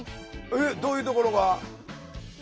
えっどういうところが？